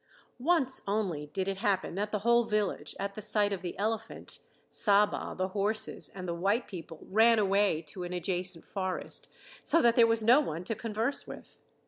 Once only did it happen that the whole village, at the sight of the elephant, Saba, the horses, and the white people, ran away to an adjacent forest, so that there was no one to converse with.